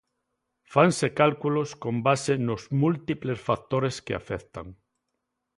Fanse cálculos con base nos múltiples factores que afectan.